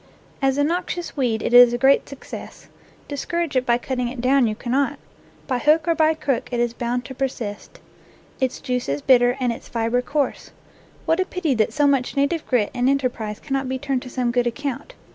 As a noxious weed it is a great success. Dis courage it by cutting it down you cannot. By hook or by crook it is bound to persist. Its juice is bitter and its fibre coarse. What a pity that so much na tive grit and enterprise cannot be turned to some good account!